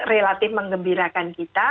relatif mengembirakan kita